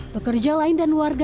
pekerja lain dan warga